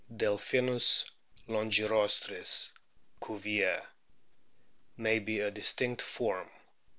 Delphimis longirostris, Cuvier,| may be a distinct form.